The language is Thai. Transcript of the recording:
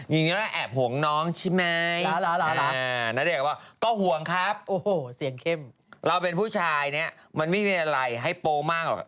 อย่างนี้เราแอบห่วงน้องใช่ไหมนาเดชน์ก็ว่าก็ห่วงครับเราเป็นผู้ชายเนี่ยมันไม่มีอะไรให้โปรมากหรอก